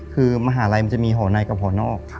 คือมหาลัยมันจะมีห่อในกับห่อนอก